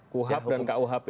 kuhap dan kuhap ya